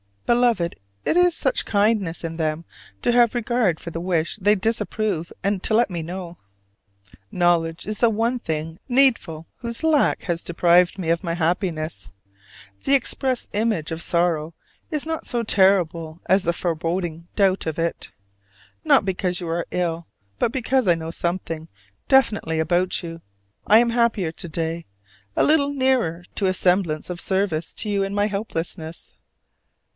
Beloved, it is such kindness in them to have regard for the wish they disapprove and to let me know. Knowledge is the one thing needful whose lack has deprived me of my happiness: the express image of sorrow is not so terrible as the foreboding doubt of it. Not because you are ill, but because I know something definitely about you, I am happier to day: a little nearer to a semblance of service to you in my helplessness.